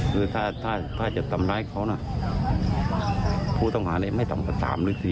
คือถ้าจะตำร้ายเขานะผู้ต่ำหาเนี่ยไม่ต่ำกว่าตามเลยสิ